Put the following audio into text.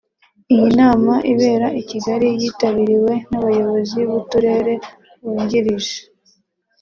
Iyi nama ibera i Kigali yitabiriwe n’Abayobozi b’Uturere bungirije